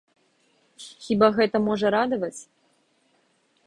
Хіба гэта можа радаваць?